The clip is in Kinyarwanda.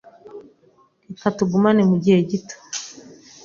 Reka tugumane mugihe gito.